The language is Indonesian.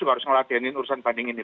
harus ngelatihin urusan banding ini